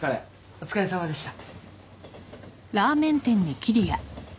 お疲れさまでした。